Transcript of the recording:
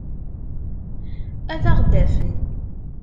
Ad aɣ-d-afen.